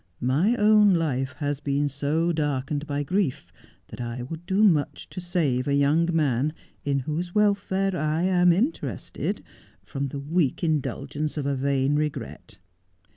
My own life has been so darkened by grief that I would do much to save a young man, in whose welfare I am interested, from the weak indulgence of a vain regret.